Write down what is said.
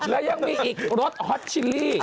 และยังมีอีกรถฮอตชิลลี่